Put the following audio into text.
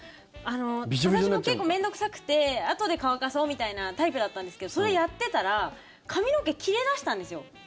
私も結構面倒臭くてあとで乾かそうみたいなタイプだったんですけどそれをやってたら髪の毛、切れ出したんですよ。